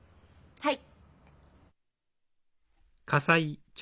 はい。